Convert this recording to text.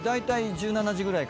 １７時ぐらいから？